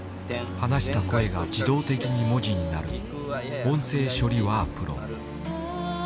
話した声が自動的に文字になる音声処理ワープロ。